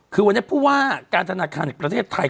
คือวันนี้เพราะว่าการธนาคารประเทศไทย